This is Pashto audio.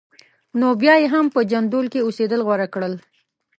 نو بیا یې هم په جندول کې اوسېدل غوره کړل.